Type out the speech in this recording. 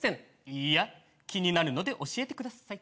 いいや気になるので教えてください。